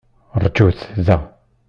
Rjut da!